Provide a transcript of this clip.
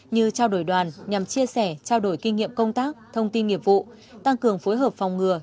như trao đổi đoàn nhằm chia sẻ trao đổi kinh nghiệm công tác thông tin nghiệp vụ tăng cường phối hợp phòng ngừa